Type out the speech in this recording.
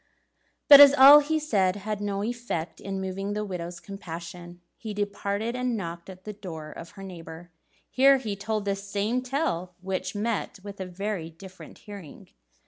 But as all he said had no effect in moving the widow's compassion, he departed, and knocked at the door of her neighbour. Here he told the same tale, which met with a very different hearing.